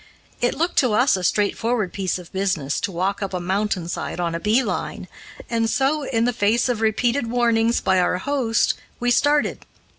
It looked to us a straightforward piece of business to walk up a mountain side on a bee line, and so, in the face of repeated warnings by our host, we started.